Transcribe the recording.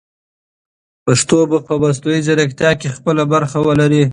پښتو به په مصنوعي ځیرکتیا کې خپله برخه ولري.